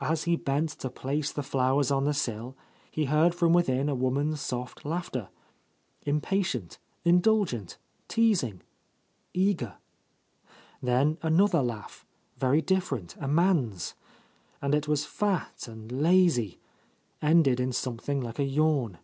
As he bent to place the flowers on the sill, he heard from within a woman's soft laughter; impatient, indulgent, teasing, eager. Then another laugh, very different, a man's. And it was fat and lazy, — ended in something like a yawn.